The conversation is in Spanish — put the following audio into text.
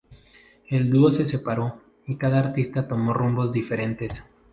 El dúo se separó, y cada artista tomó rumbos diferentes.